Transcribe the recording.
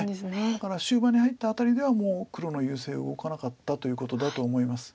だから終盤に入った辺りではもう黒の優勢動かなかったということだと思います。